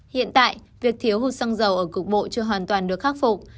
hiện tại việc thiếu hụt xăng dầu ở cục bộ chưa hoàn toàn được khắc phục